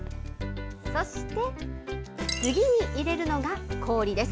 そして、次に入れるのが氷です。